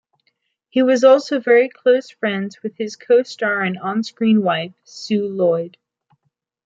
He was also very close friends with his co-star and on-screen wife, Sue Lloyd.